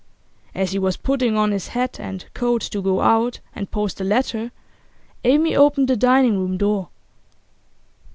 As he was putting on his hat and coat to go out and post the letter Amy opened the dining room door.